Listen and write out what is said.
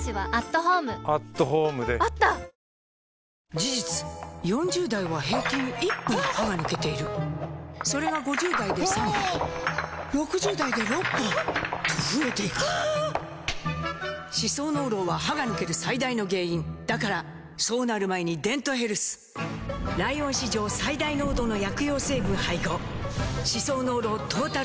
事実４０代は平均１本歯が抜けているそれが５０代で３本６０代で６本と増えていく歯槽膿漏は歯が抜ける最大の原因だからそうなる前に「デントヘルス」ライオン史上最大濃度の薬用成分配合歯槽膿漏トータルケア！